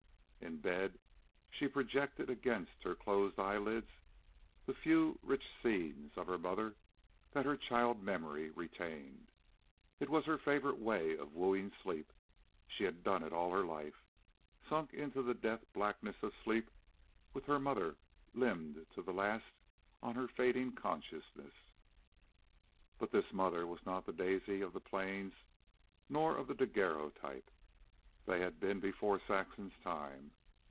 In bed, she projected against her closed eyelids the few rich scenes of her mother that her child memory retained. It was her favorite way of wooing sleep. She had done it all her life sunk into the death blackness of sleep with her mother limned to the last on her fading consciousness. But this mother was not the Daisy of the plains nor of the daguerreotype. They had been before Saxon's time.